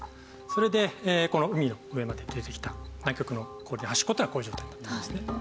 それで海の上まで出てきた南極の氷の端っこっていうのはこういう状態になっていますね。